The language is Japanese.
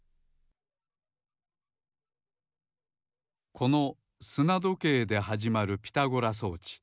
このすなどけいではじまるピタゴラ装置